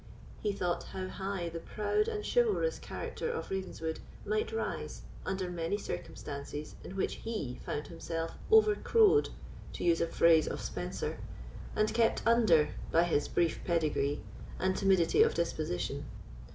He thought how high the proud and chivalrous character of Ravenswood might rise under many circumstances in which he found himself "overcrowed," to use a phrase of Spenser, and kept under, by his brief pedigree, and timidity of disposition.